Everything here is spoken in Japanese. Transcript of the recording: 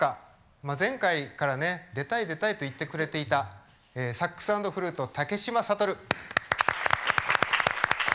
まあ前回からね出たい出たいと言ってくれていたサックス＆フルート武嶋聡。